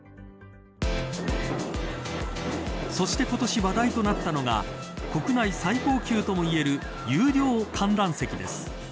そして今年話題となったのが国内最高級ともいえる有料観覧席です。